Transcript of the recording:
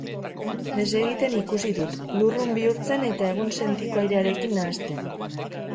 Desegiten ikusi dut, lurrun bihurtzen eta egunsentiko airearekin nahasten.